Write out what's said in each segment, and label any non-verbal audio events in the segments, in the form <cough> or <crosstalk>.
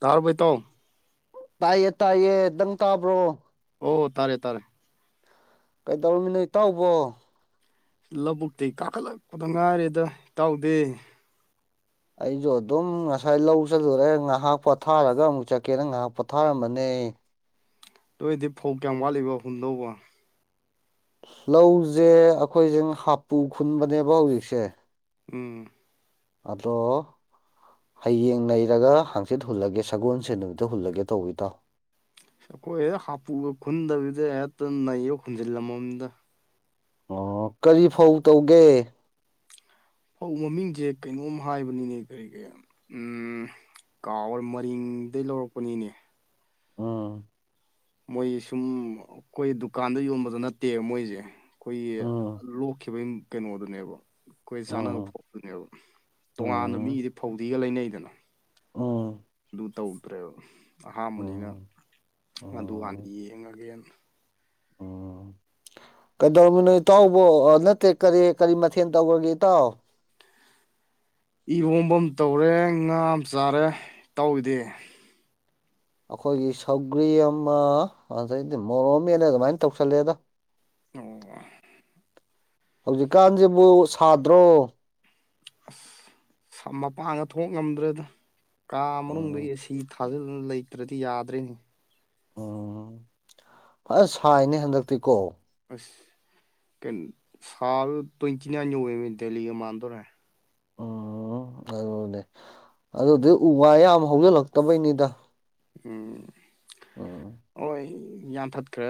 ꯇꯥꯔꯕꯣ ꯏꯇꯥꯎ ꯇꯥꯏꯌꯦ ꯇꯌꯦ ꯗꯪꯀꯥꯕ꯭ꯔꯣ ꯑꯣ ꯇꯥꯔꯦ ꯇꯥꯔꯦ ꯀꯩꯗꯧꯔꯝꯃꯤ ꯅꯣ ꯏꯇꯥꯎꯕꯣ ꯂꯧꯕꯨꯛꯇꯩ ꯀꯥꯈꯠꯂꯛꯄꯗ ꯉꯥꯏꯔꯤꯗ ꯏꯇꯥꯎꯗꯤ ꯑꯩꯁꯨ ꯑꯗꯨꯝ ꯉꯁꯥꯏ ꯂꯧ ꯆꯠꯂꯨꯔꯦ ꯉꯥꯏꯍꯥꯛ ꯄꯣꯊꯥꯔꯒ ꯑꯃꯨꯛ ꯆꯠꯀꯦꯅ ꯉꯥꯏꯍꯥꯛ ꯄꯣꯊꯥꯔꯝꯕꯅꯦ ꯅꯦ ꯂꯣꯏꯗꯤ ꯐꯧ ꯀꯌꯥꯝ ꯋꯥꯠꯂꯤꯕ ꯍꯨꯟꯗꯧꯕ ꯂꯧꯁꯦ ꯑꯩꯈꯣꯏꯁꯦ ꯍꯥꯄꯨ ꯈꯨꯟꯕꯅꯦꯕ ꯍꯧꯖꯤꯛꯁꯦ ꯎꯝ ꯑꯗꯣ ꯍꯌꯦꯡ ꯅꯩꯔꯒ ꯍꯥꯡꯆꯤꯠ ꯍꯨꯜꯂꯒꯦ ꯁꯒꯣꯜꯁꯦꯟ ꯅꯨꯃꯤꯠꯇ ꯍꯨꯜꯂꯒꯦ ꯇꯧꯕ ꯏꯇꯥꯎ ꯑꯩꯈꯣꯏ ꯍꯦꯛ ꯍꯥꯄꯨꯒ ꯈꯨꯟꯗꯕꯤꯗ ꯍꯦꯛꯇ ꯅꯩꯔ ꯈꯨꯟꯖꯤꯜꯂꯝꯃꯝꯗ ꯑꯣ ꯀꯔꯤ ꯐꯧ ꯇꯧꯒꯦ ꯐꯧ ꯃꯃꯤꯡꯁꯦ ꯀꯩꯅꯣꯝ ꯍꯥꯏꯕꯅꯤꯅꯦ ꯀꯔꯤ ꯀꯔꯤ ꯎꯝ ꯀꯥꯎꯔ ꯃꯔꯤꯡꯗꯗꯒꯤ ꯂꯧꯔꯛꯄꯅꯤꯅꯦ ꯎꯝ ꯃꯣꯏ ꯁꯨꯝ ꯑꯩꯈꯣꯏ ꯗꯨꯀꯥꯟꯗ ꯌꯣꯟꯕꯗꯣ ꯅꯠꯇꯦꯕ ꯃꯣꯏꯁꯦ ꯑꯩꯈꯣꯏꯒꯤ ꯎꯝ ꯂꯣꯛꯈꯤꯕꯒꯤ ꯀꯩꯅꯣꯗꯨꯅꯦꯕ ꯑꯩꯈꯣꯏ ꯆꯥꯅꯕ ꯎꯝ ꯐꯥꯎꯗꯨꯅꯦꯕ ꯇꯣꯉꯥꯟꯅ ꯎꯝ ꯃꯤꯗꯤ ꯐꯧꯗꯤꯒ ꯂꯩꯅꯩꯗꯅ ꯎꯝ ꯑꯗꯨ ꯇꯧꯗ꯭ꯔꯦꯕ ꯑꯍꯝꯕꯅꯤꯅ ꯎꯝ ꯑꯗꯨ ꯍꯥꯟꯅ ꯎꯝ ꯌꯦꯡꯉꯒꯦꯅ ꯀꯩꯗꯧꯃꯤꯅꯣ ꯏꯇꯥꯎꯕ ꯅꯠꯇꯦ ꯀꯔꯤ ꯀꯔꯤ ꯃꯊꯦꯜ ꯇꯧꯈ꯭ꯔꯒꯦ ꯏꯇꯥꯎ ꯏꯍꯣꯝꯐꯝ ꯇꯧꯔꯦ ꯉꯥ ꯑꯃ ꯆꯥꯔꯦ ꯇꯥꯎꯏꯗꯦ ꯑꯩꯈꯣꯏꯒꯤ ꯁꯧꯒ꯭ꯔꯤ ꯑꯃ ꯑꯗꯩꯗꯤ ꯃꯣꯔꯣꯝꯃꯦꯅ ꯑꯗꯨꯃꯥꯏꯅ ꯇꯧꯁꯜꯂꯦꯗ ꯑꯣ ꯍꯧꯖꯤꯛꯀꯥꯟꯁꯤꯕꯨ ꯁꯥꯗ꯭ꯔꯣ ꯑꯁ ꯃꯄꯥꯡꯒ ꯊꯣꯛ ꯉꯝꯗ꯭ꯔꯦꯗ ꯀꯥ ꯃꯅꯨꯡꯗ ꯎꯝ ꯑꯦꯁꯤ ꯐꯖꯅ ꯂꯩꯇ꯭ꯔꯗꯤ ꯌꯥꯗ꯭ꯔꯦꯅꯦ ꯎꯝ ꯑꯁ ꯁꯥꯏꯅꯦ ꯍꯟꯗꯛꯇꯤꯀꯣ ꯑꯁ ꯁꯥꯕꯗꯥ ꯇꯣꯏꯟꯇꯤꯅꯥꯏꯟ ꯌꯧꯋꯦꯃꯦ ꯗꯦꯜꯂꯤ ꯒꯥ ꯃꯟꯗꯣꯔꯦ ꯎꯝ ꯑꯗꯨꯅꯦ ꯑꯗꯨꯗꯤ ꯎ ꯋꯥ ꯌꯥꯝ ꯍꯧꯖꯤꯜꯂꯛꯇꯕꯩꯅꯤꯗ ꯎꯝ ꯎꯝ ꯍꯣꯏ ꯌꯥꯟꯊꯠꯈ꯭ꯔꯦ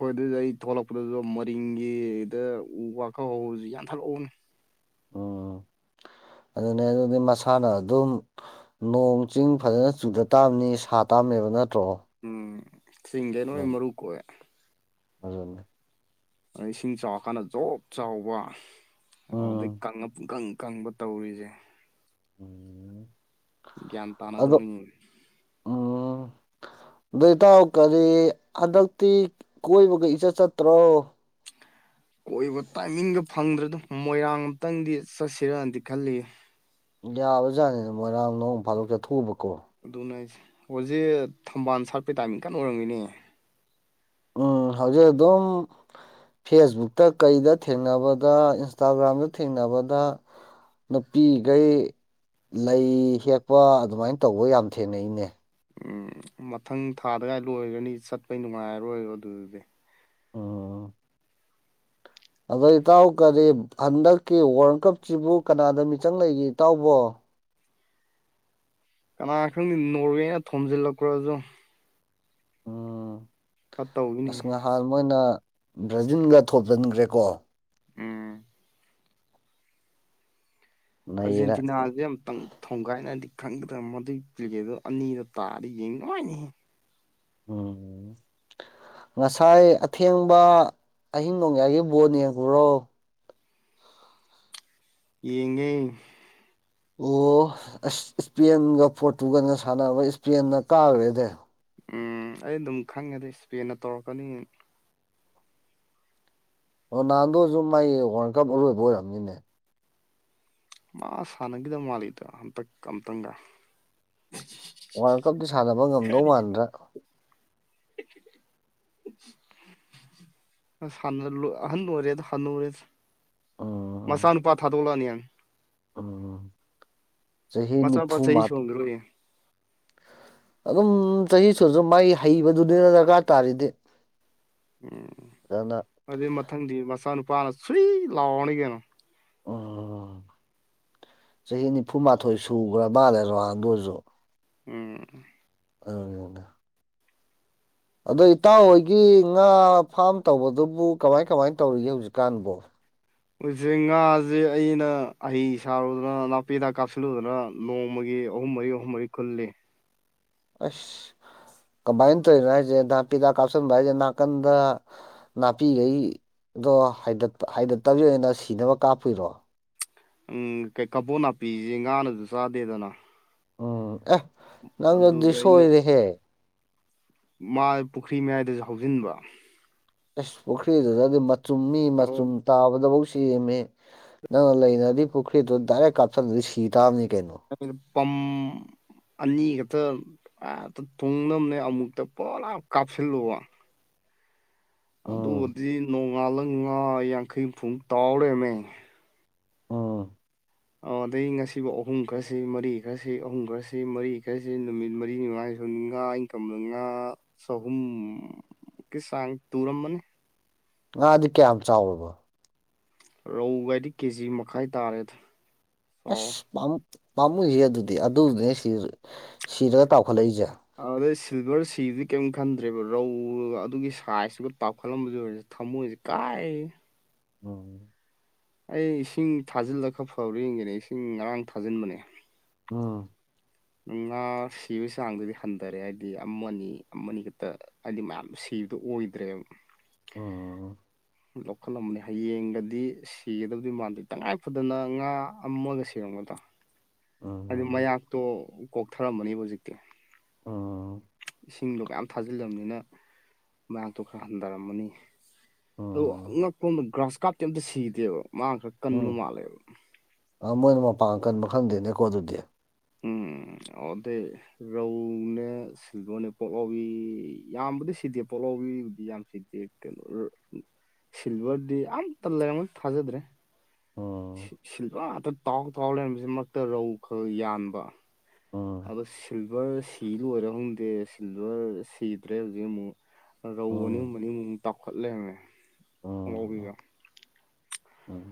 ꯍꯣꯏ ꯑꯗꯨꯏꯗꯤ ꯑꯩ ꯊꯣꯛꯂꯛꯄꯗꯁꯨ ꯃꯔꯤꯡꯒꯤꯗ ꯎ ꯋꯥ ꯈꯔ ꯍꯧꯕꯗꯨꯁꯨ ꯌꯥꯟꯊꯠꯍꯎꯕꯅꯦ ꯎꯝ <inaudible> ꯑꯗꯨꯅꯦ ꯑꯗꯨꯗꯤ ꯃꯁꯥꯅ ꯑꯗꯨꯝ ꯅꯣꯡ ꯆꯤꯡ ꯐꯖꯅ ꯆꯨꯗ ꯇꯥꯕꯅꯤ ꯁꯥ ꯇꯥꯝꯃꯦꯕꯅ ꯎꯝ ꯆꯤꯡꯗꯦ ꯅꯣꯏ ꯃꯔꯨ ꯀꯣꯛꯑꯦ ꯑꯗꯨꯅꯤ ꯑꯗꯩ ꯏꯁꯤꯡ ꯆꯥꯎꯔꯀꯥꯟꯗ ꯖꯣꯞ ꯆꯥꯎꯕ ꯎꯝ ꯑꯗꯨꯗꯩ ꯀꯪꯉꯥ ꯄꯨꯡꯀꯪ ꯀꯪꯕ ꯇꯧꯔꯤꯁꯦ ꯎꯝ ꯒ꯭ꯌꯥꯟ ꯑꯗꯣ ꯇꯅꯗꯕꯩꯅꯦ ꯗꯣꯏꯇꯥꯎ ꯀꯔꯤ ꯍꯟꯗꯛꯇꯤ ꯀꯣꯏꯕꯒ ꯏꯆꯠ ꯆꯠꯇ꯭ꯔꯣ ꯀꯣꯏꯕ ꯇꯥꯏꯃꯤꯡꯒ ꯐꯪꯗ꯭ꯔꯦꯗ ꯃꯣꯏꯔꯥꯡ ꯑꯝꯇꯪꯗꯤ ꯆꯠꯁꯤꯔꯗꯤ ꯈꯜꯂꯤ ꯌꯥꯕꯖꯥꯠꯅꯤ ꯃꯣꯏꯔꯥꯡ ꯅꯣꯡ ꯐꯥꯗꯣꯛ ꯆꯠꯊꯣꯛꯎꯕ ꯑꯗꯨꯅ ꯑꯩꯁꯦ ꯍꯧꯖꯤꯛ ꯊꯝꯕꯥꯜ ꯁꯥꯔꯠꯄꯩ ꯇꯥꯏꯃꯤꯡ ꯀꯟꯅ ꯑꯣꯏꯔꯝꯒꯤꯅꯤ ꯎꯝ ꯍꯧꯖꯤꯛ ꯑꯗꯨꯝ ꯐꯦꯁꯕꯨꯛꯇ ꯀꯩꯗ ꯊꯦꯡꯅꯕꯗ ꯏꯟꯁꯇꯥꯒ꯭ꯔꯥꯝꯗ ꯊꯦꯡꯅꯕꯗ ꯅꯨꯄꯤꯈꯩ ꯂꯩ ꯍꯦꯛꯄ ꯑꯗꯨꯃꯥꯏꯅ ꯇꯧꯕ ꯌꯥꯝ ꯊꯦꯡꯅꯩꯅꯦ ꯎꯝ ꯃꯊꯪ ꯊꯥꯗꯒꯥꯏ ꯂꯣꯏꯔꯅꯤ ꯆꯠꯄꯩ ꯅꯨꯡꯉꯥꯏꯔꯔꯣꯏ ꯑꯗꯨꯗꯗꯤ ꯎꯝ ꯑꯗꯣ ꯏꯇꯥꯎ ꯀꯔꯤ ꯍꯟꯗꯛꯀꯤ ꯋꯥꯔꯜ ꯀꯞꯁꯤꯕꯨ ꯀꯅꯥꯗ ꯃꯤꯆꯪ ꯂꯩꯒꯦ ꯏꯇꯥꯎꯕꯣ ꯀꯅꯥ ꯈꯪꯅꯤ ꯅꯣꯔꯋꯦꯅ ꯊꯣꯝꯖꯤꯜꯂꯛꯄꯔꯖꯨ ꯎꯝ ꯇꯧꯒꯤꯅꯤꯍꯦ ꯑꯁ ꯅꯍꯥꯟ ꯃꯣꯏꯅ ꯕ꯭ꯔꯥꯖꯤꯜꯒ ꯊꯣꯝꯖꯤꯟꯈ꯭ꯔꯦꯀꯣ ꯎꯝ ꯅꯩꯔꯦ ꯑꯥꯔꯖꯦꯟꯇꯤꯅꯥꯁꯦ ꯌꯥꯝꯇꯪ ꯊꯣꯡꯒꯥꯏꯅꯗꯤ ꯈꯪꯗ꯭ꯔ ꯃꯗꯨꯏ ꯄꯤꯒꯦꯗꯣ ꯑꯅꯤꯗ ꯇꯥꯔꯤ ꯌꯦꯡ ꯃꯥꯏꯅꯤ ꯎꯝ ꯉꯁꯥꯏ ꯑꯊꯦꯡꯕ ꯑꯍꯤꯡ ꯅꯣꯡꯌꯥꯏꯒꯤ ꯕꯣꯅꯦꯡꯉꯨꯔꯣ ꯌꯦꯡꯉꯦ ꯑꯣ ꯑꯁ ꯏꯁꯄꯦꯟꯒ ꯄꯣꯔꯇꯨꯒꯥꯟꯒ ꯁꯥꯟꯅꯕ ꯏꯁꯄꯦꯟꯅ ꯀꯥꯔꯨꯔꯦꯗꯤ ꯎꯝ ꯑꯩ ꯑꯗꯨꯝ ꯈꯪꯉꯦꯗ ꯏꯁꯄꯦꯟꯅ ꯇꯧꯔꯛꯀꯅꯤ ꯑꯣ ꯅꯍꯥꯟꯗꯣꯁꯨ ꯃꯒꯤ ꯋꯥꯔꯜ ꯀꯞ ꯑꯔꯣꯏꯕ ꯑꯣꯏꯔꯝꯅꯤꯅꯦ ꯃꯥ ꯁꯥꯟꯅꯈꯤꯗꯕ ꯃꯥꯜꯂꯤꯗꯣ ꯍꯟꯇꯛ ꯑꯝꯇꯪꯒ ꯋꯥꯔꯜ ꯀꯞꯇ ꯁꯥꯟꯅꯕ ꯉꯝꯗꯧ ꯃꯥꯟꯗ꯭ꯔꯥ ꯑ ꯍ ꯍꯅ ꯑꯣꯏꯔꯤꯗ ꯍꯅ ꯑꯣꯏꯔꯤ ꯃꯆꯥ ꯎꯝ ꯅꯨꯄꯥ ꯊꯥꯗꯣꯛꯂꯛꯑꯅꯤ ꯍꯥꯢꯃꯦ ꯎꯝ ꯆꯍꯤ ꯃꯆꯥꯅꯨꯄꯥ ꯅꯤꯐꯨ ꯆꯍꯤ ꯃꯠ ꯁꯨꯍꯟꯈ꯭ꯔꯣꯏꯌꯦ ꯑꯗꯨꯝ ꯆꯍꯤ ꯁꯨꯔꯁꯨ ꯃꯥꯏ ꯍꯩꯕꯗꯨꯅꯤꯅ ꯗꯔꯀꯥꯔ ꯇꯥꯔꯤꯗꯤ ꯎꯝ ꯑꯗꯨꯅ ꯑꯗꯨꯏ ꯃꯊꯪꯗꯤ ꯃꯆꯥꯅꯨꯄꯥꯅ ꯁꯨꯏ ꯂꯥꯎꯔꯅꯤ ꯀꯩꯅꯣ ꯎꯝ ꯆꯍꯤ ꯅꯤꯐꯨꯃꯥꯊꯣꯏ ꯁꯨꯈ꯭ꯔ ꯃꯥꯜꯂꯦ ꯔꯣꯅꯟꯗꯨꯁꯨ ꯎꯝ ꯑꯅ ꯑꯗꯣ ꯏꯇꯥꯎꯍꯣꯏꯒꯤ ꯉꯥ ꯐꯥꯝ ꯇꯧꯕꯗꯨꯕꯨ ꯀꯃꯥꯏ ꯀꯃꯥꯏ ꯇꯧꯔꯤꯒꯦ ꯍꯧꯖꯤꯛꯀꯥꯟꯕꯣ ꯍꯧꯁꯦ ꯉꯥꯁꯦ ꯑꯩꯅ ꯍꯍꯩ ꯁꯥꯔꯨꯗꯅ ꯅꯥꯄꯤꯦꯗ ꯀꯥꯞꯁꯤꯜꯂꯨꯗꯅ ꯅꯣꯡꯃꯒꯤ ꯑꯍꯨꯝ ꯃꯔꯤ ꯑꯍꯨꯝ ꯃꯔꯤ ꯈꯨꯂꯦ ꯑꯁ ꯀꯃꯥꯏꯅ ꯇꯧꯔꯤꯅꯣ ꯍꯥꯏꯁꯦ ꯅꯥꯄꯤꯗ ꯀꯥꯞꯁꯤꯟꯕ ꯍꯥꯏꯁꯦ ꯅꯥꯀꯟꯗ ꯅꯥꯄꯤꯈꯩ ꯑꯗꯣ ꯍꯥꯏ ꯍꯥꯏꯗꯠꯇꯕꯒꯤ ꯑꯣꯏꯅ ꯁꯤꯅꯕ ꯀꯥꯞꯄꯨꯔꯣ ꯎꯝ ꯀꯩ ꯀꯕꯣ ꯅꯥꯄꯤꯁꯦ ꯉꯥꯅꯁꯨ ꯆꯥꯗꯦꯗꯅ ꯎꯝ ꯑ ꯅꯪꯅꯗꯤ ꯑꯗꯨꯗ ꯑꯩꯅ ꯁꯣꯏꯔꯦ ꯍꯦ ꯃꯥ ꯄꯨꯈ꯭ꯔꯤ ꯃꯌꯥꯏꯗꯁꯨ ꯍꯧꯖꯤꯟꯕ ꯑꯁ ꯄꯨꯈ꯭ꯔꯤꯗꯨꯗꯗꯤ ꯃꯆꯨꯝ ꯃꯤ ꯃꯆꯨꯝ ꯑꯗꯨ ꯇꯥꯕꯗꯐꯧ ꯁꯦꯝꯃꯤ ꯅꯪꯅ ꯂꯩꯅꯗꯤ ꯄꯨꯈ꯭ꯔꯤꯗꯣ ꯗꯥꯏꯔꯦꯛ ꯀꯥꯞꯁꯤꯟꯂꯗꯤ ꯁꯤ ꯇꯥꯕꯅꯤ ꯀꯩꯅꯣ ꯄꯝ ꯑꯅꯤꯒꯇ ꯑ ꯊꯨꯡꯅꯕꯅꯦ ꯑꯃꯨꯛꯇ ꯄꯨꯔꯥꯞ ꯀꯥꯞꯁꯤꯜꯂꯨꯕ ꯎꯝ ꯑꯗꯨꯒꯗꯤ ꯅꯣꯡꯉꯥꯜꯂ ꯉꯥ ꯌꯥꯡꯈꯩ ꯍꯨꯝꯐꯨꯛ ꯇꯥꯎꯔꯦꯃꯦ ꯎꯝ ꯑ ꯑꯗꯩ ꯉꯁꯤꯐꯥꯎ ꯑꯍꯨꯝ ꯈꯔꯁꯤ ꯃꯔꯤ ꯈꯔꯁꯤ ꯑꯍꯨꯝ ꯈꯔꯁꯤ ꯃꯔꯤꯈꯔꯁꯤ ꯅꯨꯃꯤꯠ ꯃꯔꯤꯅꯤꯉꯥꯏ ꯉꯥ ꯏꯪꯀꯝ ꯉꯥ ꯆꯍꯨꯝꯨꯀꯤ ꯆꯥꯡ ꯇꯨꯔꯝꯃꯅꯤ ꯉꯥꯗꯤ ꯀꯌꯥꯝ ꯆꯥꯎꯔꯕꯣ ꯔꯧꯒꯗꯤ ꯀꯦꯖꯤ ꯃꯈꯥꯏ ꯇꯥꯔꯦꯗ ꯑꯁ ꯆꯥꯎꯔꯦ ꯄꯝ ꯄꯝꯨ ꯁꯤ ꯑꯗꯨꯗꯤ ꯑꯗꯨꯅꯦ ꯁꯤꯔ ꯑꯗꯤ ꯁꯤꯜꯚꯔ ꯁꯤꯗꯤ ꯀ ꯈꯟꯗ꯭ꯔꯦꯕ ꯔꯧ ꯑꯗꯨꯒꯤ ꯁꯥꯏꯖꯇꯨꯒ ꯇꯥꯎꯈꯠꯂꯝꯕꯗꯨ ꯑꯣꯏꯔꯁꯦ ꯊꯝꯃꯣꯏꯁꯦ ꯀꯥꯏ ꯎꯝ ꯑꯩ ꯏꯁꯤꯡ ꯊꯥꯖꯤꯜꯂꯒ ꯈꯛ ꯐꯥꯎꯔ ꯌꯦꯡꯒꯦꯅꯦ ꯏꯁꯤꯡ ꯉꯔꯥꯡ ꯊꯥꯖꯤꯟꯕꯅꯦ ꯎꯝ ꯉꯥ ꯁꯤꯕꯒꯤ ꯆꯥꯡꯗꯨꯗꯤ ꯍꯟꯊꯔꯦ ꯍꯥꯏꯗꯤ ꯑꯃ ꯑꯃ ꯈꯛꯇ ꯍꯥꯏꯗꯤ ꯃꯌꯥꯝ ꯁꯤ ꯕꯗꯨ ꯑꯣꯏꯗ꯭ꯔꯦꯕ ꯎꯝ ꯂꯧꯈꯠꯂꯝꯕꯅꯤ ꯍꯌꯦꯡꯒꯗꯤ ꯁꯤꯒꯗꯕꯗꯤ ꯃꯥꯟꯗꯦ ꯇꯉꯥꯏ ꯐꯗꯅ ꯉꯥ ꯑꯃꯒ ꯁꯤꯔꯝꯒꯅꯤ ꯣ ꯑꯗꯨ ꯎꯝ ꯃꯌꯥꯛꯇꯣ ꯀꯣꯛꯊꯔꯝꯃꯅꯦꯕ ꯍꯧꯖꯤꯛꯇꯤ ꯎ ꯏꯁꯤꯡꯗꯣ ꯃꯌꯥꯝ ꯊꯥꯖꯤꯜꯂꯝꯅꯤꯅ ꯃꯌꯥꯝꯛꯇꯣ ꯈꯔ ꯍꯟꯊꯔꯝꯃꯅꯤ ꯑ ꯎꯝ ꯑꯉꯛꯄꯗ ꯒ꯭ꯔꯥꯁ ꯀꯥꯞꯇꯤ ꯑꯝꯇ ꯁꯤꯗꯦꯕ ꯃꯥ ꯈꯔ ꯀꯟꯕ ꯃꯥꯜꯂꯦꯕ ꯑ ꯃꯣꯏꯅ ꯃꯄꯥꯟ ꯀꯟꯕ ꯈꯪꯗꯦꯅꯦꯀꯣ ꯑꯗꯨꯗꯤ ꯎꯝ ꯑꯗꯩ ꯔꯧꯅꯦ ꯁꯤꯜꯚꯔꯅꯦ ꯄꯣꯛꯂꯥꯎꯕꯤ ꯌꯥꯝꯕꯗꯤ ꯁꯤꯗꯦ ꯄꯣꯛꯂꯥꯎ ꯤꯕꯨꯗꯤ ꯌꯥꯝ ꯆꯛꯇꯦ ꯀꯩꯅꯣ ꯁꯤꯜꯚꯔꯗꯤ ꯑꯃ ꯇ ꯂꯒ ꯑꯃ ꯊꯖꯗ ꯔꯦ ꯎꯝ ꯁꯤꯜꯚꯔ ꯉꯥꯛꯇ ꯇꯥꯎ ꯇꯥꯎ ꯂꯩꯔꯝꯕꯁꯤꯃꯛꯇ ꯔꯧ ꯈꯔ ꯌꯥꯟꯕ ꯎꯝ ꯑꯗꯣ ꯁꯤꯜꯚꯔ ꯁꯤ ꯂꯣꯏꯔ ꯈꯪꯗꯦ ꯁꯤꯜꯚꯔ ꯁꯤꯗ꯭ꯔꯦ ꯍꯧꯖꯤꯛ ꯑꯃꯨꯛ ꯔꯧ ꯑꯅꯤ ꯑꯨꯝ ꯎꯝ ꯑꯅꯤꯃꯃꯨꯛ ꯇꯥꯎꯈꯠꯂꯦꯃꯦ ꯑꯉꯥꯎꯕꯤꯒ ꯎꯝ ꯎꯝ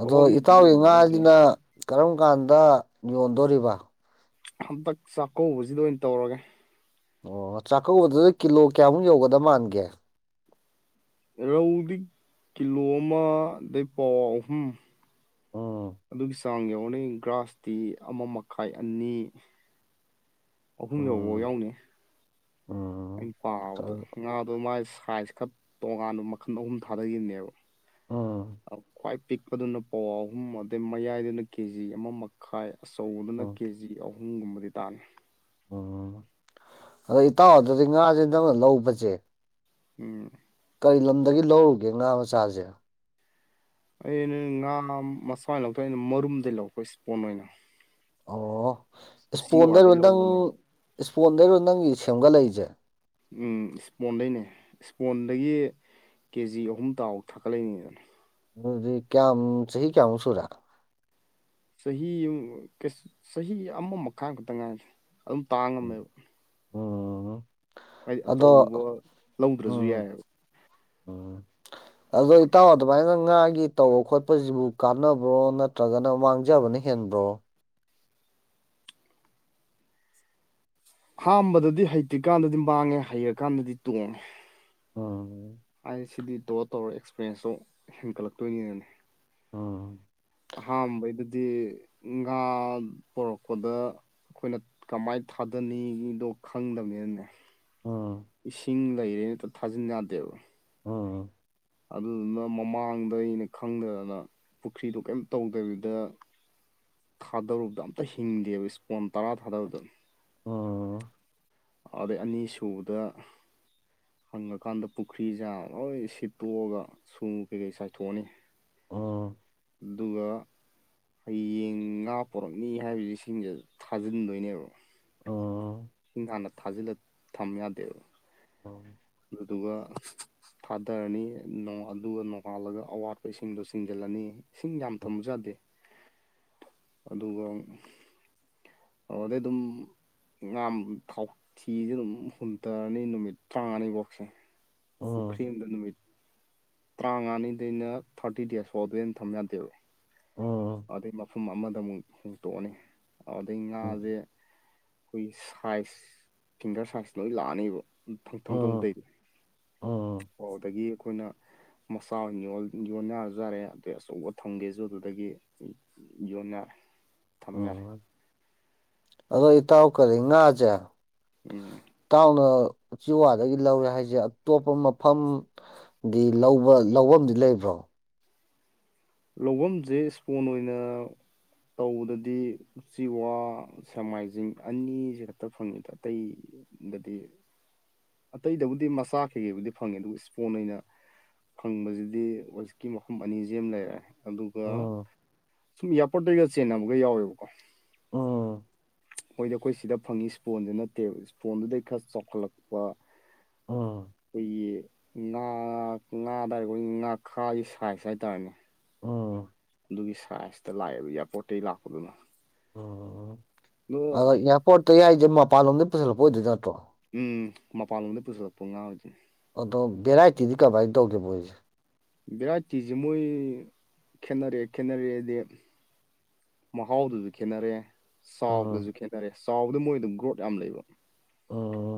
ꯑꯗꯣ ꯏꯇꯥꯎꯒꯤ ꯌꯥꯝ ꯌꯥꯎꯗꯦ ꯉꯥꯁꯤꯅ ꯀꯔꯝ ꯀꯥꯟꯗ ꯌꯣꯟꯗꯣꯔꯤꯕ ꯍꯟꯇꯛ ꯆꯥꯛꯀꯧꯕꯁꯤꯗ ꯑꯣꯏꯅ ꯇꯧꯔꯒꯦ ꯑꯣ ꯆꯥꯛꯀꯧꯕꯗꯨꯗ ꯀꯤꯂꯣ ꯀꯌꯥꯃꯨꯛ ꯌꯧꯒꯗ ꯃꯥꯟꯒꯦ ꯔꯧꯗꯤ ꯀꯤꯂꯣ ꯑꯃꯗꯒꯤ ꯄꯥꯎ ꯑꯍꯨꯝ ꯎꯝ ꯑꯗꯨꯒꯤ ꯆꯥꯡ ꯌꯧꯅꯤ ꯒ꯭ꯔꯥꯁꯇꯤ ꯑꯃ ꯃꯈꯥꯏ ꯑꯅꯤ ꯑꯍꯨꯝ ꯐꯥꯎꯕꯥꯎ ꯎꯝ ꯌꯥꯎꯅꯤ ꯎꯝ ꯑꯩꯅ ꯄꯥꯕꯗ ꯉꯥꯗꯣ ꯃꯥꯥꯏ ꯁꯥꯏꯖ ꯈꯔ ꯇꯣꯉꯥꯟꯕ ꯃꯈꯜ ꯑꯍꯨꯝ ꯊꯥꯗꯈꯤꯕꯅꯦꯕ ꯎꯝ ꯑ ꯈ꯭ꯋꯥꯥꯏ ꯄꯤꯛꯄꯗꯨꯅ ꯄꯋꯥ ꯑꯍꯨꯝ ꯑꯗꯩ ꯃꯌꯥꯏꯗꯨꯅ ꯀꯦ ꯖꯤ ꯑꯃ ꯃꯈꯥꯏ ꯑꯆꯧꯕꯗꯨꯅ ꯎꯝ ꯀꯦ ꯖꯤ ꯑꯍꯨꯝ ꯑꯍꯨꯝꯒꯨꯝꯕꯗꯤ ꯇꯥꯅꯤ ꯎꯝ ꯑꯗꯣ ꯏꯇꯥꯎ ꯑꯗꯨꯗꯤ ꯉꯥꯁꯦ ꯅꯪꯅ ꯂꯧꯕꯁꯦ ꯎꯝ ꯀꯔꯤ ꯂꯝꯗꯒꯤ ꯂꯧꯔꯨꯒꯦ ꯉꯥ ꯃꯆꯥꯁꯦ ꯑꯩꯅ ꯉꯥ ꯃꯁꯏꯅ ꯂꯧꯊꯣꯛ ꯑꯩꯅ ꯃꯔꯨꯝꯗꯒꯤ ꯂꯧꯔꯄ ꯏꯁꯄꯣꯟ ꯑꯣꯏꯅ ꯑꯣ ꯎꯆꯤ ꯏꯁꯄꯣꯟꯗꯔꯣ ꯋꯥꯗꯩ ꯅꯪ ꯂꯧꯕꯅꯦꯕ ꯏꯁꯄꯣꯟꯗꯔꯣ ꯅꯪꯒꯤ ꯁꯦꯝꯒꯠꯂꯛꯏꯁꯦ ꯎꯝ ꯏꯁꯄꯣꯟꯗꯅꯦ ꯏꯁꯄꯣꯟꯗꯒꯤ ꯀꯦ ꯖꯤ ꯑꯍꯨꯝ ꯇꯥꯎꯨꯛ ꯊꯥꯒꯠꯂꯛꯏꯅꯤꯗꯅ ꯑꯗꯨꯗꯤ ꯀꯌꯥꯝ ꯆꯍꯤ ꯀꯌꯥꯃꯨꯛ ꯁꯨꯔ ꯆꯍꯤ ꯆꯍꯤ ꯑꯃ ꯃꯈꯥꯏ ꯈꯛꯇ ꯉꯥꯏꯁꯦ ꯑꯗꯨꯝ ꯇꯥꯡꯉꯝꯃꯦꯕ ꯎꯝ ꯍꯥꯏꯗꯤ ꯑꯗꯣ ꯑꯆꯧꯕ ꯂꯧꯗ꯭ꯔꯁꯨ ꯎꯝ ꯌꯥꯏꯑꯕ ꯎꯝ ꯑꯗꯣ ꯏꯇꯥꯎ ꯑꯗꯨꯃꯥꯏꯅ ꯉꯥꯒꯤ ꯇꯧꯕ ꯈꯣꯠꯄꯁꯤꯕꯨ ꯀꯥꯟꯅꯕ꯭ꯔꯣ ꯅꯠꯇ꯭ꯔꯒꯅ ꯃꯥꯡꯖꯕꯅꯤ ꯍꯦꯟꯕ꯭ꯔꯣ ꯑꯝꯕꯗꯗꯤ ꯍꯩꯇ꯭ꯔꯤꯀꯥꯟꯗꯗꯤ ꯃꯥꯡꯉꯦ ꯍꯩꯔꯀꯥꯟꯗꯗꯤ ꯇꯣꯡꯉꯦ ꯑꯣꯝ ꯑꯩ ꯁꯤꯗꯤ ꯇꯧꯔ ꯇꯧꯔ ꯑꯦꯛꯁꯄꯔꯤꯦꯟꯁꯇꯣ ꯍꯦꯟꯒꯠꯂꯛꯇꯣꯏꯅꯤꯅꯅꯦ ꯎꯝ ꯑꯍꯥꯟꯕꯩꯗꯨꯗꯤ ꯉꯥ ꯄꯨꯣꯔꯛꯄꯗ ꯑꯩꯈꯣꯏꯅ ꯀꯃꯥꯏ ꯊꯥꯗꯅꯤꯗꯣ ꯈꯪꯗꯕꯅꯤꯅꯅꯦ ꯎꯝ ꯏꯁꯤꯡ ꯂꯩꯔꯦ ꯅꯠꯇ ꯊꯥꯖꯤꯟ ꯌꯥꯗꯦꯕ ꯎꯝ ꯑꯗꯨꯗꯨꯅ ꯃꯃꯥꯡꯗ ꯑꯩꯅ ꯈꯪꯗꯗꯅ ꯄꯨꯈ꯭ꯔꯤꯗꯣ ꯀꯩꯝ ꯇꯧꯗꯕꯤꯗ ꯊꯥꯗꯔꯨꯕꯗ ꯑꯝꯇ ꯍꯤꯡꯗꯦꯕ ꯏꯁꯄꯣꯟ ꯇꯔꯥ ꯊꯥꯗꯔꯨꯗ ꯎꯝ ꯑꯗꯨꯗꯩ ꯑꯅꯤꯁꯨꯨꯕꯗ ꯍꯪꯉꯀꯥꯟꯗ ꯄꯨꯈ꯭ꯔꯤꯁꯦ ꯂꯣꯏ ꯁꯤꯠꯇꯣꯛꯑꯒ ꯁꯨ ꯀꯩꯀꯩ ꯆꯥꯏꯊꯣꯛꯑꯅꯤ ꯑꯥ ꯑꯗꯨꯒ ꯑꯩ ꯌꯦꯟ ꯉꯥ ꯄꯣꯔꯛꯅꯤ ꯍꯥꯏꯕꯁꯤ ꯁꯤꯡꯁꯦ ꯊꯥꯖꯤꯟꯗꯣꯏꯅꯦꯕ ꯎꯝ ꯎꯝ ꯅ ꯊꯥꯖꯤꯜꯂ ꯊꯝ ꯌꯥꯗꯦꯕ ꯑꯣ ꯑꯗꯨꯒ ꯑꯗꯨꯒ ꯊꯥꯗꯔꯅꯤ ꯑꯗꯨꯒ ꯅꯣꯡꯉꯥꯜꯂꯒ ꯑꯋꯥꯠꯄ ꯏꯁꯤꯡꯗꯣ ꯆꯤꯡꯖꯤꯜꯂꯅꯤ ꯏꯁꯤꯡ ꯌꯥꯝ ꯊꯕ ꯌꯥꯗꯦ ꯑꯗꯨꯒ ꯑꯗꯨꯗꯩ ꯑꯗꯨꯝ ꯥ ꯊꯥꯎꯊꯤꯤꯁ ꯑꯗꯨꯝ ꯍꯨꯟꯇꯔꯅꯤ ꯅꯨꯃꯤꯠ ꯇꯔꯥꯃꯉꯥꯅꯤꯐꯥꯎꯁꯦ ꯄꯨꯈꯔꯤꯗꯅꯃꯤ ꯇꯔꯥꯃꯉꯥꯅꯤꯗꯩꯅ ꯊꯥꯔꯇꯤ ꯗꯦꯖ ꯐꯥꯎꯗꯣꯏꯦ ꯑꯩꯅ ꯊꯝ ꯌꯥꯗꯦꯕ ꯎꯝ ꯑꯗꯨꯗꯩ ꯃꯐꯝ ꯑꯃꯗ ꯑꯃꯨꯛ ꯍꯨꯇꯣꯛꯑꯅꯤ ꯑꯗꯨꯗꯩ ꯉꯥꯁꯦ ꯑꯩꯈꯣꯏꯒꯤ ꯁꯥꯏꯖ ꯐꯤꯡꯒꯔ ꯁꯥꯏꯖ ꯂꯣꯏ ꯂꯥꯛꯑꯅꯦꯕ ꯊꯪ ꯎꯝ ꯊꯣꯡꯕꯗꯩꯗꯤ ꯎꯝ ꯑꯣ ꯑꯗꯒꯤ ꯑꯩꯈꯣꯏꯅ ꯃꯆꯥ ꯑꯣꯏꯅ ꯌꯣꯟꯅꯖꯔꯦ ꯑꯗꯨꯩ ꯑꯆꯧꯕ ꯊꯝꯒꯦꯁꯨ ꯑꯗꯨꯗꯒꯤ ꯌꯣꯟꯅꯔꯦ ꯊꯝꯅꯔꯦ ꯎꯝ ꯑꯗꯣ ꯏꯇꯥꯎ ꯀꯔꯤ ꯉꯥꯁꯦ ꯎꯝ ꯏꯇꯥꯎꯅ ꯆꯤꯋꯥꯗꯒꯤ ꯂꯧꯔꯦ ꯍꯥꯏꯁꯦ ꯑꯇꯣꯞꯄ ꯃꯐꯝꯒꯤ ꯂ ꯂꯐꯝꯗꯤ ꯂꯩꯕ꯭ꯔꯣ ꯂꯧꯐꯝꯁꯦ ꯏꯁꯄꯣꯟ ꯑꯣꯏꯅ ꯇꯧꯕꯗꯗꯤ ꯎꯆꯤꯋꯥ ꯁꯦꯡꯃꯥꯏꯖꯤꯡ ꯑꯅꯤꯁꯤ ꯈꯛꯇ ꯐꯪꯉꯤꯗ ꯑꯇꯩ ꯗꯗꯤ ꯑꯇꯩꯗꯕꯨꯗꯤ ꯃꯆꯥ ꯀꯩꯀꯩꯕꯨꯗꯤ ꯐꯪꯉꯦ ꯑꯗꯨꯒ ꯏꯁꯄꯣꯟ ꯑꯣꯏꯅ ꯐꯪꯕꯁꯤꯗꯤ ꯋꯦꯁꯀꯤ ꯃꯐꯝ ꯑꯅꯤꯁꯤ ꯑꯃ ꯂꯩꯔꯦ ꯑꯗꯨꯒ ꯎꯝ ꯁꯨꯝ ꯏꯌꯥꯔꯄꯣꯔꯠꯇꯒ ꯆꯦꯟꯅꯕꯒ ꯌꯥꯎꯋꯦꯕꯀꯣ ꯎꯝ <inaudible> ꯃꯣꯏꯗꯤ ꯑꯩꯈꯣꯏ ꯁꯤꯗ ꯐꯪꯉꯤ ꯏꯁꯄꯣꯟꯁ ꯅꯠꯇꯦ ꯏꯁꯄꯣꯟꯗꯨꯗꯩ ꯈꯔ ꯆꯥꯎꯈꯠꯂꯛꯄ <inaudible> ꯎꯝ ꯑꯩꯈꯣꯏꯒꯤ ꯉꯥ ꯉꯥꯗ ꯍꯥꯏꯔ ꯑꯩꯈꯣꯏꯒꯤ ꯉꯥꯈꯥꯒꯤ ꯁꯥꯏꯖ ꯍꯥꯏꯇꯥꯔꯦꯅꯦ ꯎꯝ ꯑꯗꯨꯒꯤ ꯁꯥꯏꯖꯇ ꯂꯥꯛꯑꯦ ꯑꯗꯨ ꯏꯌꯥꯔꯄꯣꯔꯠꯇꯒꯤ ꯂꯥꯛꯄꯗꯨꯅ ꯎꯝ ꯑꯗꯨꯒ ꯑꯗꯣ ꯏꯌꯥꯔꯄꯣꯔꯠꯇ ꯌꯥꯏꯁꯦ ꯃꯄꯥꯟꯂꯣꯝꯗꯒꯤꯩ ꯄꯨꯁꯤꯜꯂꯛꯄ ꯑꯣꯏꯗꯣꯏ ꯅꯠꯇ꯭ꯔꯣ ꯎꯝ ꯃꯄꯥꯟꯂꯣꯝꯗ ꯄꯨꯁꯤꯜꯂꯛꯄ ꯉꯥꯡ ꯑꯣꯏꯔꯤꯗꯨꯅꯤ ꯑꯗꯣ ꯚꯦꯔꯥꯏꯇꯤꯗꯤ ꯀꯃꯥꯏꯅ ꯇꯧꯒꯦ ꯃꯣꯏꯁꯦ ꯚꯦꯔꯥꯇꯤꯁꯦ ꯃꯣꯏ ꯈꯦꯅꯔꯛꯑꯦ ꯈꯦꯠꯅꯔꯛꯑꯦꯗꯤ ꯃꯍꯥꯎꯗꯨꯁꯨ ꯈꯦꯅꯔꯦ ꯆꯥꯎꯕꯗꯁꯨ ꯎꯝ ꯈꯦꯠꯅꯔꯦ ꯆꯥꯎꯕꯗ ꯃꯣꯏꯗ ꯒ꯭ꯔꯣꯠ ꯌꯥꯝ ꯂꯩꯕ ꯑꯣ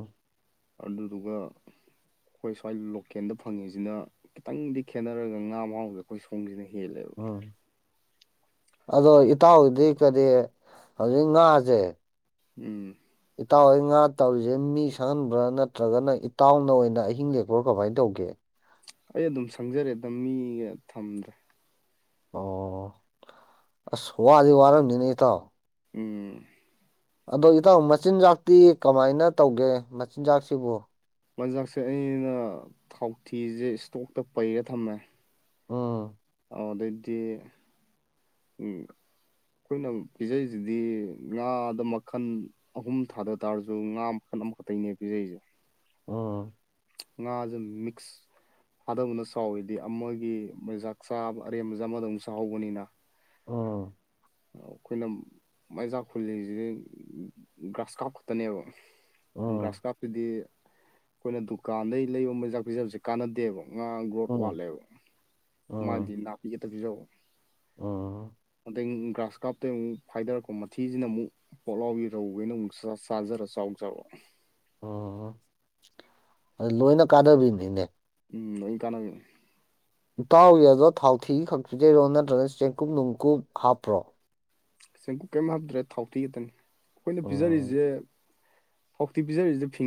ꯑꯗꯨꯂꯗꯨꯒ ꯑꯩꯈꯣꯏ ꯁ꯭ꯋꯥꯏ ꯂꯣꯀꯦꯜꯗ ꯐꯪꯉꯤꯁꯤꯅ ꯈꯤꯇꯪꯗꯤ ꯈꯦꯠꯅꯔꯒ ꯉꯥ ꯃꯍꯥꯎꯁꯦ ꯑꯩꯈꯣꯏ ꯁꯣꯡꯁꯤꯟꯅꯩ ꯍ ꯂꯩꯦꯕ ꯎꯝ ꯑꯗꯣ ꯏꯇꯥꯎꯗꯤ ꯀꯔꯤ ꯍꯧꯖꯤꯛ ꯉꯥꯁꯦ ꯎꯝ ꯏꯇꯥꯎꯍꯣꯏ ꯉꯥ ꯇꯧꯔꯤꯁꯦ ꯃꯤ ꯁꯛꯍꯟꯕ꯭ꯔꯥ ꯅꯠꯇ꯭ꯔꯒꯅ ꯏꯇꯥꯎꯅ ꯑꯣꯏꯅ ꯑꯍꯤꯡ ꯂꯦꯛꯄ꯭ꯔꯣ ꯀꯃꯥꯏꯅ ꯇꯧꯒꯦ ꯑꯩ ꯑꯗꯨꯝ ꯁꯪꯖꯔꯦꯗ ꯃꯤꯒ ꯊꯝꯗ꯭ꯔꯦ ꯑꯣ ꯑ ꯍꯕ ꯑꯗꯨꯗꯤ ꯋꯥꯔ ꯅꯅꯦꯇꯥꯎ ꯎꯝ ꯑꯗꯣ ꯏꯇꯥꯎ ꯃꯆꯤꯟꯖꯥꯛꯇꯤ ꯀꯃꯥꯏꯅ ꯇꯧꯒꯦ ꯃꯆꯤꯟꯖꯥꯛꯁꯤꯕꯨ ꯃꯖꯥꯛꯁꯦ ꯑꯩꯅ ꯊꯥꯎꯊꯤꯁꯦ ꯏꯁꯇꯣꯛꯇ ꯄꯩꯔ ꯊꯝꯃꯦ ꯎꯝ ꯑꯃꯗꯗꯤ ꯑꯩꯈꯣꯏꯅ ꯄꯤꯖꯔꯤꯁꯤꯗꯤ ꯉꯥꯗ ꯃꯈꯜ ꯑꯍꯨꯝ ꯊꯥꯗ ꯇꯥꯔꯁꯨ ꯉꯥ ꯃꯈꯜ ꯑꯃꯛ ꯇꯩꯅ ꯄꯤꯖꯁꯦ ꯎꯝ ꯉꯥꯖ ꯃꯤꯛꯁ ꯊꯥꯗꯧꯅ ꯁꯥꯎꯋꯤꯗꯤ ꯑꯃꯒꯤ ꯃꯩꯖꯥꯛ ꯆꯥꯕ ꯑꯔꯦꯝꯕ ꯖꯦ ꯑꯃꯗ ꯃꯨꯛ ꯆꯥꯍꯧꯕꯅꯤꯅ ꯎꯝ ꯑꯩꯈꯣꯏꯅ ꯃꯩꯖꯥꯛ ꯍꯨꯜꯂꯤꯁꯤꯗꯤ ꯒ꯭ꯔꯥꯁ ꯀꯥꯞ ꯈꯛꯇꯅꯦꯕ ꯒ꯭ꯔꯥꯁ ꯎꯝ ꯀꯥꯞꯇꯨꯗꯤ ꯑꯩꯈꯣꯏꯅ ꯗꯨꯀꯥꯟꯗꯩ ꯂꯩꯕ ꯃꯆꯤꯠꯖꯥꯛ ꯄꯤꯖꯕꯁꯦ ꯀꯥꯟꯅꯗꯦꯕ ꯉꯥ ꯒ꯭ꯔꯣꯠ ꯎꯝ ꯋꯥꯠꯂꯦꯕ ꯃꯥꯗꯤ ꯅꯥꯄꯤ ꯈꯛꯇ ꯄꯤꯖꯧ ꯑꯥ ꯑꯗꯩ ꯒ꯭ꯔꯥꯁ ꯀꯥꯞꯇꯩ ꯑꯃꯨꯛ ꯐꯥꯏꯗꯔꯛꯄ ꯃꯊꯤꯁꯤꯅ ꯑꯃꯨꯛ ꯄꯣꯛꯂꯥꯎꯕꯤ ꯔꯧ ꯍꯣꯢꯅ ꯑꯃꯨꯛ ꯆꯥ ꯆꯥꯖꯔ ꯆꯥꯎꯖꯕ ꯑꯣ ꯑꯗꯨ ꯂꯣꯏꯅ ꯀꯥꯟꯅꯕꯤꯅꯤꯅꯦ ꯎꯝ ꯂꫭꯏꯟ ꯀꯥꯟꯅꯕꯤ ꯏꯇꯥꯎꯒꯤ ꯑꯗꯨꯗ ꯊꯥꯎꯊꯤ ꯈꯛ ꯄꯤꯖꯩꯔꯣ ꯅꯠꯇ꯭ꯔꯒ ꯆꯦꯡꯀꯨꯞ ꯅꯨꯡꯀꯨꯞ ꯍꯥꯞꯄ꯭ꯔꯣ ꯆꯦꯡꯀꯨꯞ ꯀꯩꯝ ꯍꯥꯞꯇ꯭ꯔꯦ ꯊꯥꯎꯊꯤ ꯈꯛꯇꯅꯦ ꯑꯩꯈꯣꯏꯅ ꯎꯝ ꯄꯤꯖꯔꯤꯁꯦ ꯊꯥꯎꯊꯤ ꯄꯖꯔꯤꯁꯦ ꯐꯤ